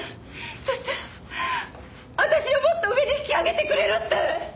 そして私をもっと上に引き上げてくれるって！